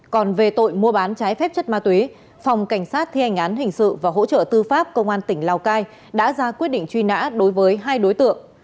còn về tội mua bán trái phép chất ma túy phòng cảnh sát thi hành án hình sự và hỗ trợ tư pháp công an tỉnh lào cai đã ra quyết định truy nã đối với hai đối tượng